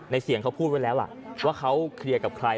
เสียงเขาพูดไว้แล้วล่ะว่าเขาเคลียร์กับใคร